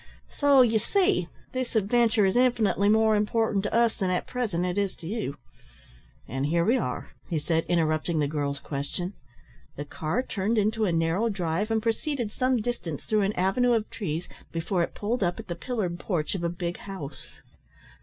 So you see this adventure is infinitely more important to us than at present it is to you. And here we are!" he said, interrupting the girl's question. The car turned into a narrow drive, and proceeded some distance through an avenue of trees before it pulled up at the pillared porch of a big house.